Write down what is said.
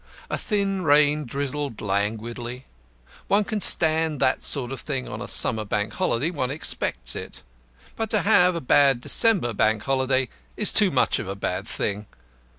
A thin rain drizzled languidly. One can stand that sort of thing on a summer Bank Holiday; one expects it. But to have a bad December Bank Holiday is too much of a bad thing.